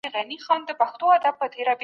زه هر وخت له بدو انډيوالانو ځان ساتم.